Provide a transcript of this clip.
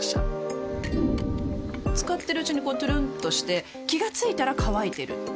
使ってるうちにこうトゥルンとして気が付いたら乾いてる